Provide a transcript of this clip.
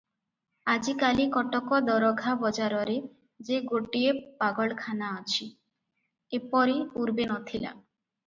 ଆଜିକାଲି କଟକ ଦରଘା ବଜାରରେ ଯେ ଗୋଟିଏ ପାଗଳଖାନା ଅଛି, ଏପରି ପୂର୍ବେ ନ ଥିଲା ।